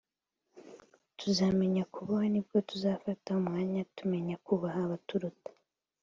tuzamenya kuboha nibwo tuzafata umwanya tumenye kubaha abaturuta